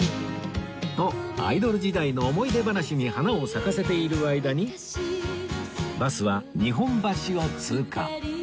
とアイドル時代の思い出話に花を咲かせている間にバスは日本橋を通過